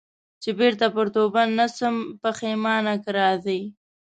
چي بیرته پر توبه نه سم پښېمانه که راځې